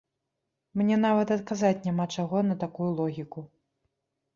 Мне нават адказаць няма чаго на такую логіку.